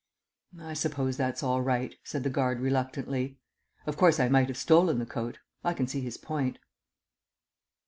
"I suppose that's all right," said the guard reluctantly. Of course, I might have stolen the coat. I see his point.